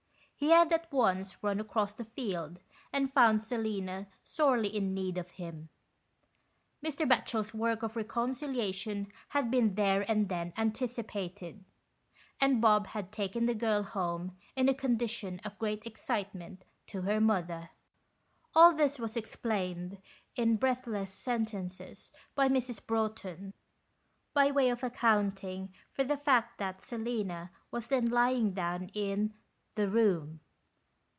He had at once run across the field, and found Selina sorely in need of him. Mr. Batohel's work of reconciliation had been there and then anticipated, and Bob had taken the girl home in a condition of great excitement to her mother. All this was explained, in breathless sentences, by Mrs. Broughton, by way of accounting for the fact that Selina was then lying down in " the room."